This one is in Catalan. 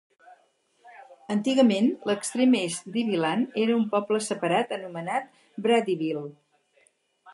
Antigament, l'extrem est d'Ivyland era un poble separat anomenat Bradyville.